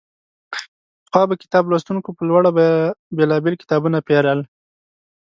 پخوا به کتاب لوستونکو په لوړه بیه بېلابېل کتابونه پېرل.